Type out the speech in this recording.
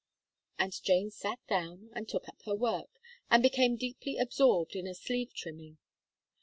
And Jane sat down, and took up her work, and became deeply absorbed in a sleeve trimming.